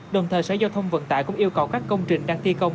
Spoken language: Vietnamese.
đồng thời sở giao thông vận tải cũng yêu cầu các công trình đang thi công